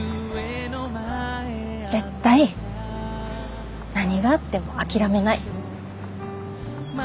絶対何があっても諦めない。